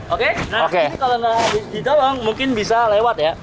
oke nah ini kalau nggak ditolong mungkin bisa lewat ya